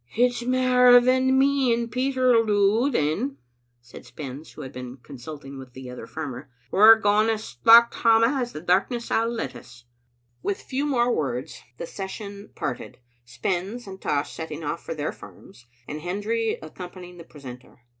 "It's mair than me and Peter'U do, then," said Spens, who had been consulting with the other farmer. " We're gaun as straucht hame as the darkness '11 let us. With few more words the Session parted, Spens and Tosh setting off for their farms, and Hendry accom panying the precentor.